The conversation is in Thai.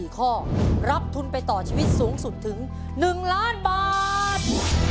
๔ข้อรับทุนไปต่อชีวิตสูงสุดถึง๑ล้านบาท